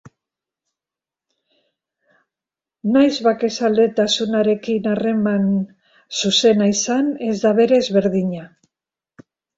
Nahiz bakezaletasunarekin harreman zuzena izan, ez da berez berdina.